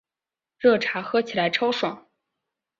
热茶喝起来超爽